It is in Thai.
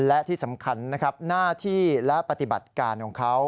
และที่สำคัญนะครับหน้าที่และปฏิบัติการของเขา